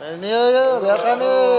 lainnya yuk yuk biarkan yuk